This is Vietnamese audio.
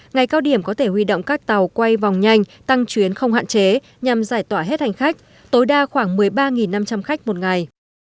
ngày cao điểm có thể huy động các tàu quay vòng nhanh tăng chuyến không hạn chế nhằm giải tỏa hết hành khách tối đa khoảng một mươi ba năm trăm linh khách một ngày